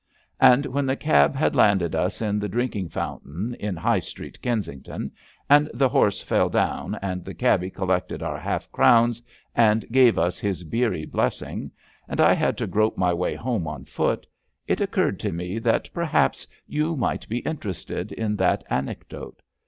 And when the cab had landed us in the drinking f ountain in High Street, Kensington, and the horse fell down, and the cabby collected our half crowns and gave us his beery blessing, and I had to grope my way home on foot, it occurred to me that perhaps you might be interested in that anecdote.